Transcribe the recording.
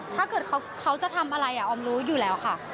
ถ้าเกิดเขาจะทำอะไรออมรู้อยู่แล้วค่ะ